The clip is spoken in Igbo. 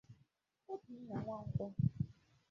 Obinna Nwankwọ